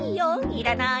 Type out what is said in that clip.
いらない。